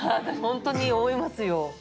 本当に思いますよ。